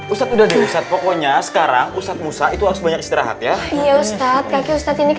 ustadz ustadz pokoknya sekarang ustadz musa itu banyak istirahat ya iya ustadz ustadz ini